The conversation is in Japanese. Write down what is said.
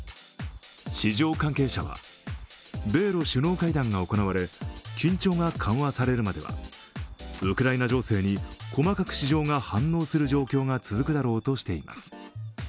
市場関係者は米ロ首脳会談が行われ、緊張が緩和されるまではウクライナ情勢に細かく市場が反応する状況が続くだろうとしています。